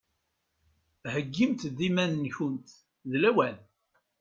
Heggimt iman-nkunt d lawan!